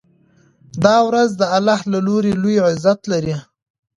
دا ورځ د الله له لوري لوی عزت لري.